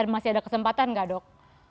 masih ada kesempatan nggak dok